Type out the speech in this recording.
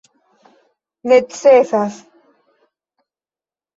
necesas